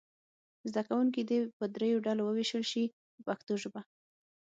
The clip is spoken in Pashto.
زده کوونکي دې په دریو ډلو وویشل شي په پښتو ژبه.